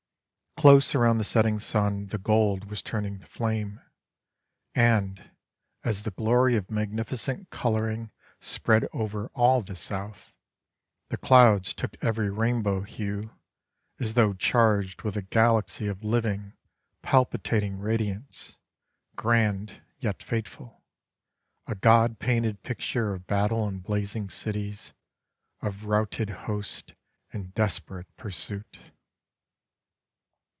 Close around the setting sun the gold was turning to flame, and, as the glory of magnificent colouring spread over all the south, the clouds took every rainbow hue, as though charged with a galaxy of living, palpitating radiance, grand yet fateful, a God painted picture of battle and blazing cities, of routed hosts and desperate pursuit.